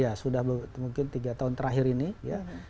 ya sudah mungkin tiga tahun terakhir ini ya